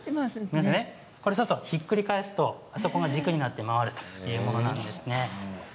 ひっくり返すと軸になって回るということなんです。